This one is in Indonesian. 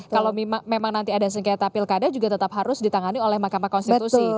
kalau memang nanti ada sengketa pilkada juga tetap harus ditangani oleh mahkamah konstitusi